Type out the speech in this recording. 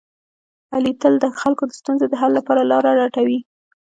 علي تل د خلکو د ستونزو د حل لپاره لاره لټوي.